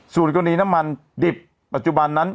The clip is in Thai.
ตอนนี้น้ำมันดิบปัจจุบันนั้น